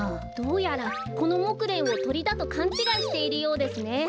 どうやらこのモクレンをとりだとかんちがいしているようですね。